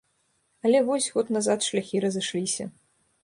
Але вось, год назад шляхі разышліся.